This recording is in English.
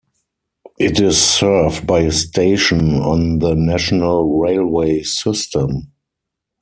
It is served by a station on the national railway system.